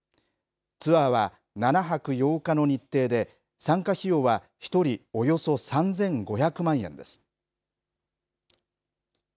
ツアーは７泊８日の日程で、参加費用は１人およそ３５００万円です。